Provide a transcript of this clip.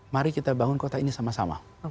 mari kita bangun kota ini sama sama